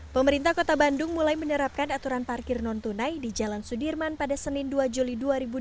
pemerintah kota bandung mulai menerapkan aturan parkir non tunai di jalan sudirman pada senin dua juli dua ribu dua puluh